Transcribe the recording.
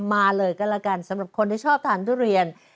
มาเลยก็แล้วกันสำหรับคนที่ชอบทานทุเรียน